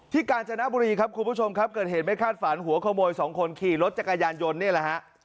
กาญจนบุรีครับคุณผู้ชมครับเกิดเหตุไม่คาดฝันหัวขโมยสองคนขี่รถจักรยานยนต์นี่แหละฮะ